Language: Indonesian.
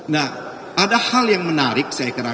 nah ada hal yang menarik saya kira